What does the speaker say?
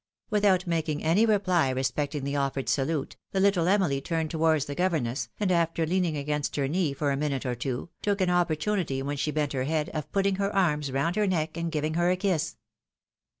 Without making any reply respecting the offered salute, the little Emily turned towards the governess, and after leaning against her knee for a minute or two, took an oportunity when she bent her head, of putting her arms round her neck, and giving her a kiss.